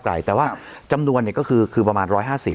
เวลากลางทางจำนวนเนี่ยก็คือประมาณ๑๕๐